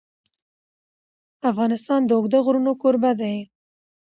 افغانستان د اوږده غرونه کوربه دی.